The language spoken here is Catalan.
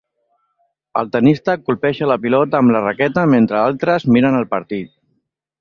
El tennista colpeja la pilota amb la raqueta, mentre altres miren el partit.